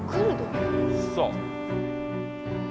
そう。